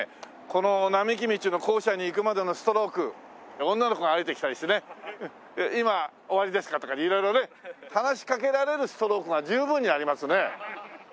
この並木道の校舎に行くまでのストローク女の子が歩いてきたりしてね「今終わりですか？」とか色々ね話しかけられるストロークが十分にありますね。